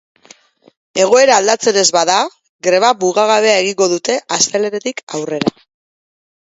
Egoera aldatzen ez bada, greba mugagabea egingo dute astelehenetik aurrera.